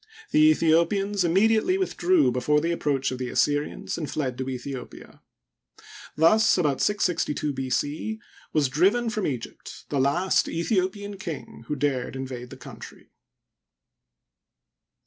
The Aethiopians immediately withdrew before the approach of the Assyrians, and fled to Aethiopia. Thus, about 662 B. C, was driven from Egypt the last Aethiopian king who dared invade the country.